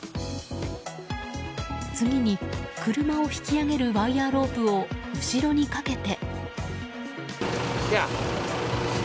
次に車を引き揚げるワイヤロープを、後ろにかけて。